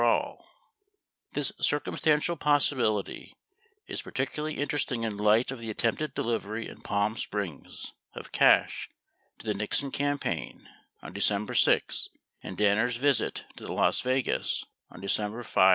958 This circumstantial possibility is particularly interesting in light of the attempted delivery in Palm Springs of cash to the Nixon cam paign on December 6 and Danner's visit to Las Yegas on Decem ber 5 8.